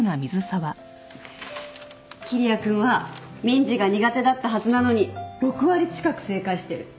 桐矢君は民事が苦手だったはずなのに６割近く正解してる。